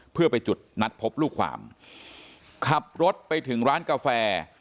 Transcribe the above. เพื่อไปจุดนัดพบลูกความขับรถไปถึงร้านกาแฟ